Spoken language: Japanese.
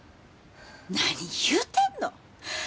何言うてんの！